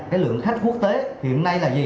cái lượng khách quốc tế hiện nay là gì